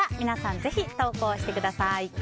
ぜひ投稿してください。